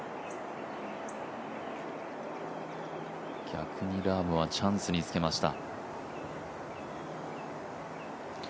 逆にラームはチャンスにつけました。